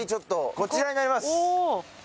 こちらになります。